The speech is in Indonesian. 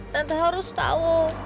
tante harus tau